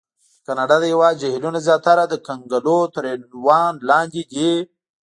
د کاناډا د هېواد جهیلونه زیاتره د کنګلونو تر عنوان لاندې دي.